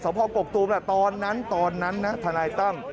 สมพงษ์ปกติว่าตอนนั้นตอนนั้นนะธนายตั้ม